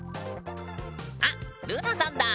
あっるなさんだ。